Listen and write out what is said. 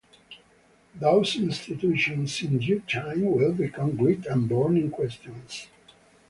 Those institutions in due time will become great and burning questions.